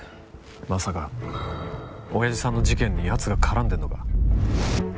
まさか親父さんの事件に奴が絡んでるのか？